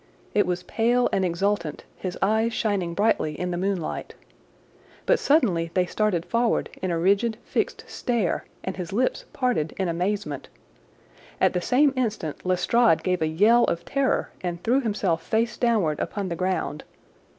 It was pale and exultant, his eyes shining brightly in the moonlight. But suddenly they started forward in a rigid, fixed stare, and his lips parted in amazement. At the same instant Lestrade gave a yell of terror and threw himself face downward upon the ground.